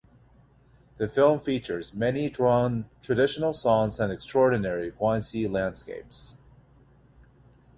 The film features many Zhuang traditional songs and extraordinary Guangxi landscapes.